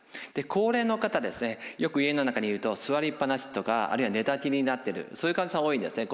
高齢の方ですねよく家の中にいると座りっ放しとかあるいは寝たきりになってるそういう患者さんが多いんですね。